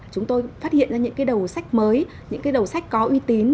chúng tôi phát hiện ra những đầu sách mới những đầu sách có uy tín